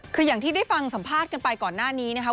คืออย่างที่ได้ฟังสัมภาษณ์กันไปก่อนหน้านี้นะคะ